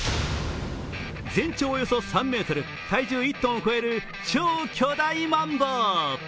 全長およそ３ｍ、体重１ｔを超える超巨大マンボウ。